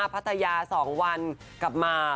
พัทยา๒วันกลับมา